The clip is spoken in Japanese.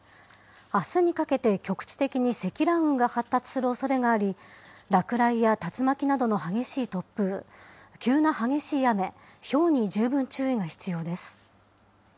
あすにかけて局地的に積乱雲が発達するおそれがあり、落雷や竜巻などの激しい突風、急な激しい雨、ひょうに十分注意が必要です。